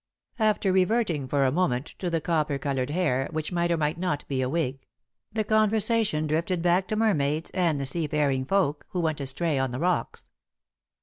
After reverting for a moment to the copper coloured hair, which might or might not be a wig, the conversation drifted back to mermaids and the seafaring folk who went astray on the rocks.